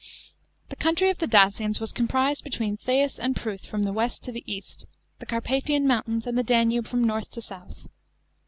The country of the Dacians was comprised between the Theiss and the Pruth from west to east, the Carpathian mountains and the Danube from north to south.